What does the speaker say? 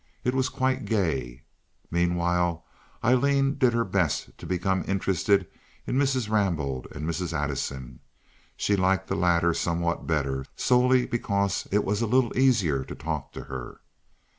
It was quite gay. Meanwhile Aileen did her best to become interested in Mrs. Rambaud and Mrs. Addison. She liked the latter somewhat better, solely because it was a little easier to talk to her.